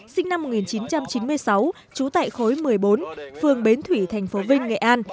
sinh năm một nghìn chín trăm chín mươi sáu trú tại khối một mươi bốn phường bến thủy thành phố vinh nghệ an